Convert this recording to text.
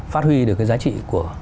phát huy được cái giá trị của